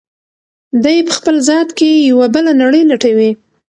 دی په خپل ذات کې یوه بله نړۍ لټوي.